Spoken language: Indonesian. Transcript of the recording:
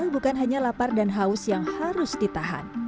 bukan hanya lapar dan haus yang harus ditahan